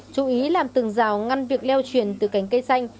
chú ý làm từng rào ngăn việc leo truyền từ cánh cây xanh